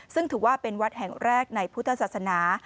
ซึ่งถือว่าเป็นวัดแห่งแรกในพุทธศาสนา